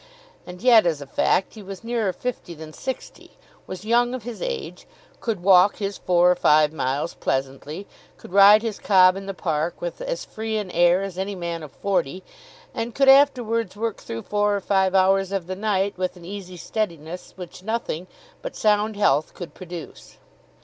And yet, as a fact, he was nearer fifty than sixty, was young of his age, could walk his four or five miles pleasantly, could ride his cob in the park with as free an air as any man of forty, and could afterwards work through four or five hours of the night with an easy steadiness which nothing but sound health could produce.